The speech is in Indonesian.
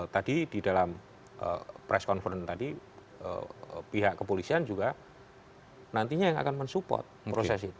tadi di dalam press conference tadi pihak kepolisian juga nantinya yang akan mensupport proses itu